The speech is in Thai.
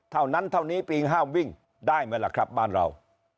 เท่านั้นเท่านี้ปีงห้ามวิ่งได้ไหมล่ะครับบ้านเรา